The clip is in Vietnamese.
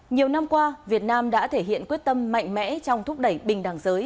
nhiều năm qua việt nam đã thể hiện quyết tâm mạnh mẽ trong thúc đẩy bình đẳng giới